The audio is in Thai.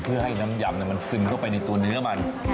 เพื่อให้น้ำยำมันซึมเข้าไปในตัวเนื้อมัน